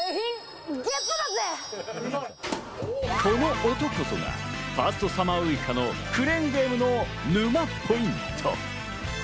この音こそが、ファーストサマーウイカのクレーンゲームの沼ポイント。